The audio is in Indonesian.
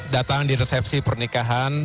datang di resepsi pernikahan